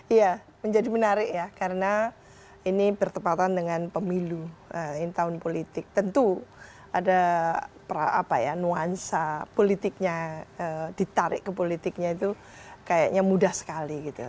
iya menjadi menarik ya karena ini bertepatan dengan pemilu tahun politik tentu ada nuansa politiknya ditarik ke politiknya itu kayaknya mudah sekali gitu